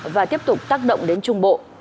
và tiếp tục tác động đến trung bộ